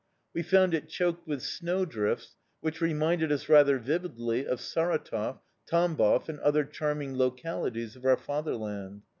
We found it choked with snow drifts, which reminded us rather vividly of Saratov, Tambov, and other charming localities of our fatherland.